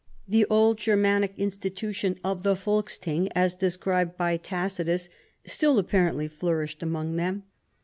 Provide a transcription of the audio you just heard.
The old Germanic institution of the Folksthing as described by Tacitus, still apparently flourished among them.